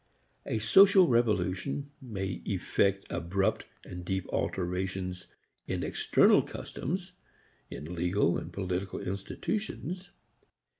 A social revolution may effect abrupt and deep alterations in external customs, in legal and political institutions.